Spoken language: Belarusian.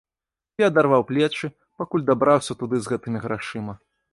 Я адарваў плечы, пакуль дабраўся туды з гэтымі грашыма.